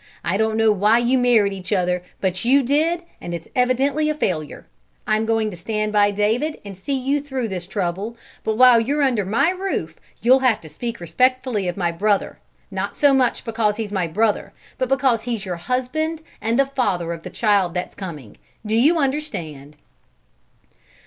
I don't know why you married each other, but you did, and it's evidently a failure. I'm going to stand by David and see you through this trouble, but while you're under my roof you'll have to speak respectfully of my brother; not so much because he's my brother, but because he's your husband and the father of the child that's coming: do you understand?"